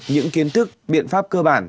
những kiến thức biện pháp cơ bản